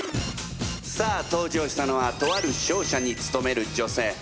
さあ登場したのはとある商社に勤める女性。